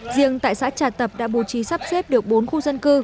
riêng tại xã trà tập đã bố trí sắp xếp được bốn khu dân cư